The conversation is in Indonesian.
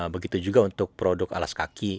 begitu juga untuk produk alas kaki